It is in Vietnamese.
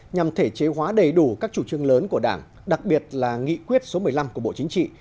nhằm thể chế hóa đầy đủ các chủ trương lớn của đảng đặc biệt là nghị quyết số một mươi năm của bộ chính trị